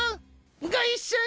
ご一緒に。